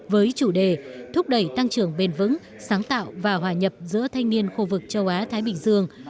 với chủ đề thúc đẩy tăng trưởng bền vững sáng tạo và hòa nhập giữa thanh niên khu vực châu á thái bình dương